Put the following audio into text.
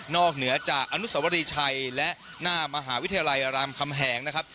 เหนือจากอนุสวรีชัยและหน้ามหาวิทยาลัยรามคำแหงนะครับ